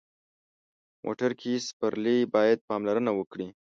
موټر کې سپرلي باید پاملرنه وکړي.